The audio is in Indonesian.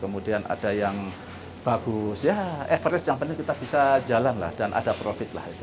kemudian ada yang bagus ya average yang penting kita bisa jalan lah dan ada profit lah itu